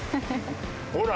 ほら！